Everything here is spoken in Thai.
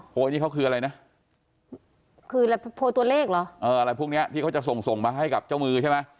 นี่เขาคืออะไรนะคือโพยตัวเลขเหรอเอออะไรพวกเนี้ยที่เขาจะส่งส่งมาให้กับเจ้ามือใช่ไหม